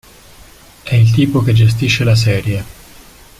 È il tipo che gestisce la serie".